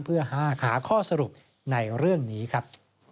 เพื่อหาข้อสรุปในเรื่องนี้ครับ